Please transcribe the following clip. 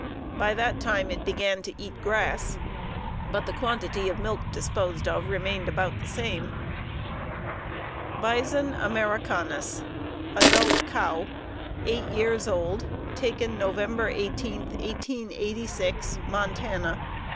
By that time it began to eat grass, but the quantity of milk disposed of remained about the same. ++| BISON AMERICANUS. | |(Adult cow, eight years old. Taken November 18, 1886. Montana.)